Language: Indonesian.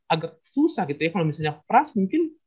agak susah gitu ya kalau misalnya frust mungkin